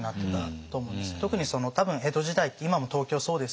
特に多分江戸時代って今も東京そうです